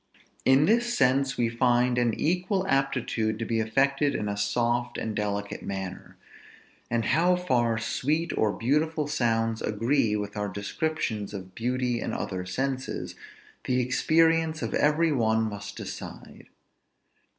In this sense we find an equal aptitude to be affected in a soft and delicate manner; and how far sweet or beautiful sounds agree with our descriptions of beauty in other senses, the experience of every one must decide.